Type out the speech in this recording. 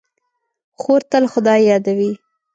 خور تل خدای یادوي.